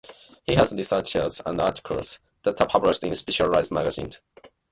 He has researches and articles that are published in specialized magazines.